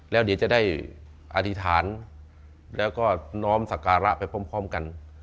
แล้วเดี๋ยวจะได้อธิษฐานแล้วก็น้อมสการะไปพร้อมกัน